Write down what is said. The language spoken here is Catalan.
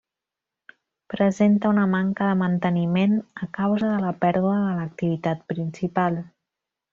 Presenta una manca de manteniment a causa de la pèrdua de l'activitat principal.